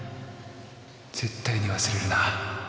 絶対に忘れるな